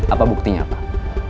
apa buktinya pak